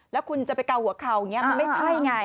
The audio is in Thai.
แล้วคุณจะไปเกาหัวเข่ามันไม่ใช่ไง